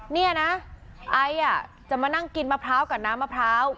เนี่ยนะไอจะมานั่งกินมะพร้าวกับน้ำมะพร้าว